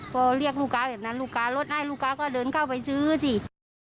พอเรียกลูกค้าแบบนั้นลูกค้าลดให้ลูกค้าก็เดินเข้าไปซื้อสิ